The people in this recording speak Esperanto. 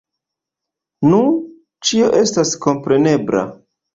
Nu, ĉio estas komprenebla.